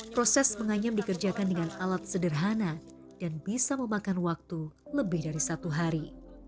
proses menganyam dikerjakan dengan alat sederhana dan bisa memakan waktu lebih dari satu hari